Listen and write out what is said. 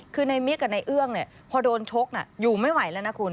คือนายมิคกับนายเอื้องเนี่ยพอโดนชกน่ะอยู่ไม่ไหวแล้วนะคุณ